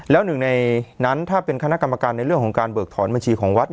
แล้วหนึ่งในนั้นถ้าเป็นคณะกรรมการในเรื่องของการเบิกถอนบัญชีของวัด